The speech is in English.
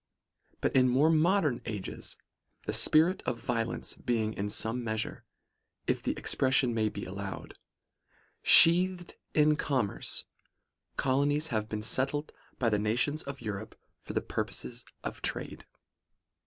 But in more modern ages, the spirit of violence being, in some measure, if the expression may be allowed, sheathed in com merce, colonies have been settled by the nations of Europe for the purposes of trade.